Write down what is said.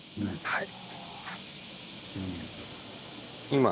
はい。